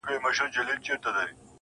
پرتكه سپينه پاڼه وڅڅېدې.